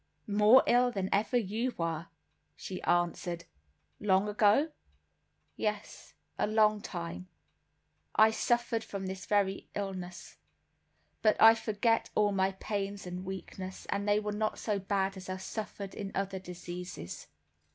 "More ill than ever you were," she answered. "Long ago?" "Yes, a long time. I suffered from this very illness; but I forget all but my pain and weakness, and they were not so bad as are suffered in other diseases."